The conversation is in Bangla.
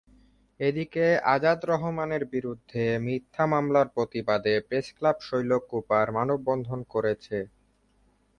এদিকে আজাদ রহমানের বিরুদ্ধে মিথ্যা মামলার প্রতিবাদে প্রেসক্লাব শৈলকুপা মানববন্ধন করেছে।